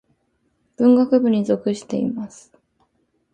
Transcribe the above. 文学部に属しています。